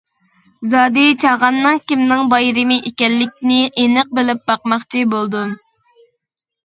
زادى چاغاننىڭ كىمنىڭ بايرىمى ئىكەنلىكىنى ئېنىق بىلىپ باقماقچى بولدۇم.